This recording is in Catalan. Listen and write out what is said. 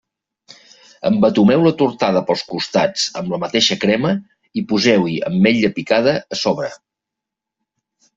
Embetumeu la tortada pels costats amb la mateixa crema i poseu-hi ametlla picada a sobre.